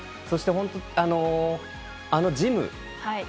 そして、あのジム。